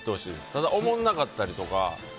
ただ、おもんなかったりとか。